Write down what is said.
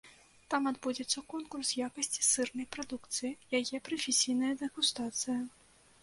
Там адбудзецца конкурс якасці сырнай прадукцыі, яе прафесійная дэгустацыя.